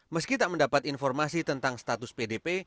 meski tak mendapat informasi tentang status pdp